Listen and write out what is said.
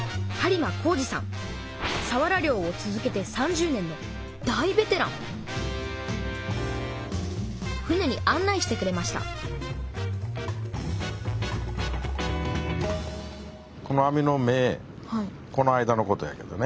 さわら漁を続けて３０年の大ベテラン船に案内してくれましたこの間のことやけどね。